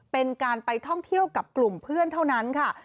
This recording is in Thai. เป็นการไปท่องเที่ยวกับกลุ่มเพื่อนเท่านั้นค่ะ